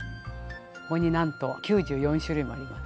ここになんと９４種類もあります。